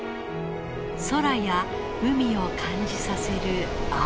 空や海を感じさせる青。